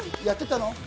やってたの？